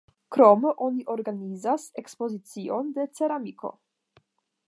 Krome oni organizas ekspoziciojn de ceramiko.